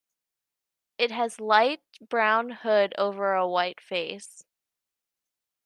It has a light brown hood over a white face.